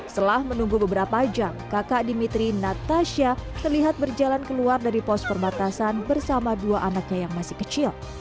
setelah menunggu beberapa jam kakak dimitri natasha terlihat berjalan keluar dari pos perbatasan bersama dua anaknya yang masih kecil